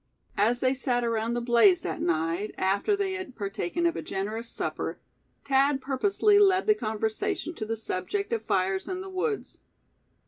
As they sat around the blaze that night, after they had partaken of a generous supper, Thad purposely led the conversation to the subject of fires in the woods.